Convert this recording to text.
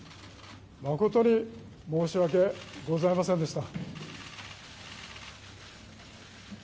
誠に申し訳ございませんでした。